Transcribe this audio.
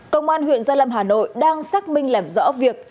công an huyện gia lâm hà nội đang xác minh làm rõ việc